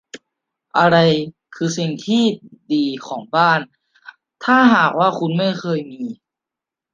อะไรคือสิ่งที่ดีของบ้าน ถ้าหากว่าคุณไม่เคยมี